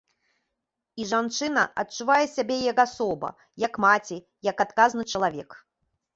І жанчына адчувае сябе як асоба, як маці, як адказны чалавек.